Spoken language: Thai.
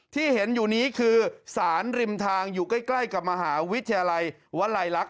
ที่เห็นอยู่นี้คือสารริมทางอยู่ใกล้กับมหาวิทยาลัยวลัยลักษ